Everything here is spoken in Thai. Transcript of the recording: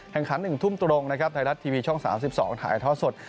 แข่งขัน๑ทุ่มตรงนะครับไทยรัฐทีวีช่อง๓๒ถ่ายทอดสด